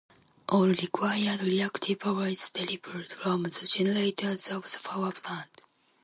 All required reactive power is delivered from the generators of the power plant.